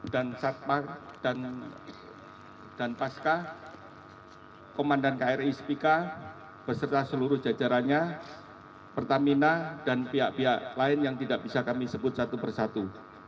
dan satmar dan pasca komandan kri spika beserta seluruh jajarannya pertamina dan pihak pihak lain yang tidak bisa kami sebut satu persatu